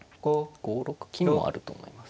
５六金もあると思います。